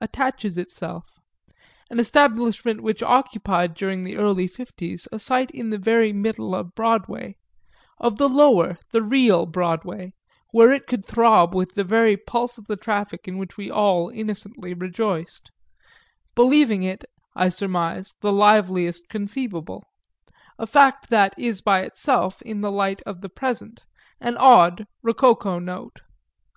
attaches itself; an establishment which occupied during the early 'fifties a site in the very middle of Broadway, of the lower, the real Broadway, where it could throb with the very pulse of the traffic in which we all innocently rejoiced believing it, I surmise, the liveliest conceivable: a fact that is by itself, in the light of the present, an odd rococo note.